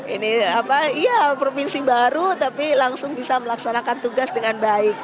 ini apa iya provinsi baru tapi langsung bisa melaksanakan tugas dengan baik